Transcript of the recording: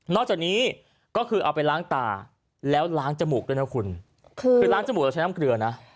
จากนี้ก็คือเอาไปล้างตาแล้วล้างจมูกด้วยนะคุณคือล้างจมูกเราใช้น้ำเกลือนะ